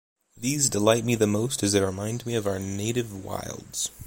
These delight me the most as they remind me of our native wilds.